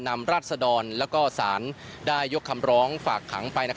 นำราชดรแล้วก็ศาลได้ยกคำร้องฝากขังไป